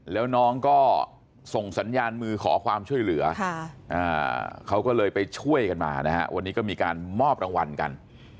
แล้วน้องก็ส่งสัญญาณมือขอความช่วยเหลือเขาก็เลยไปช่วยกันมานะฮะวันนี้ก็มีการมอบรางวัลกัน